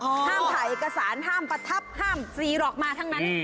ห้ามถ่ายเอกสารห้ามประทับห้ามฟรีหรอกมาทั้งนั้น